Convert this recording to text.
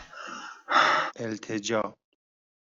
اِلتِجا